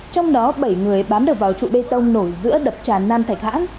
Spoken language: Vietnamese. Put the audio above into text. trong đó bảy người bám được vào trụ bê tông nổi giữa đập tràn nam thạch hãn